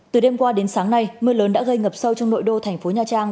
từ đêm qua đến sáng nay mưa lớn đã gây ngập sâu trong nội đô thành phố nha trang